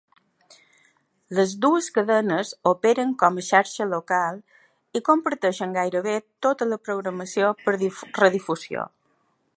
Les dues cadenes operen com a xarxa local i comparteixen gairebé tota la programació per redifusió.